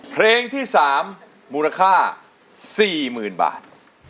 เพลงที่๓มูลค่า๔๐๐๐บาท